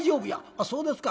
「あっそうですか」。